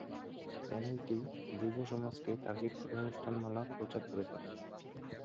চ্যানেলটি যুব সমাজকে টার্গেট করে অনুষ্ঠানমালা প্রচার করে থাকে।